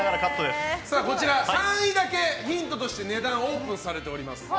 こちら、３位だけヒントとして値段がオープンされています。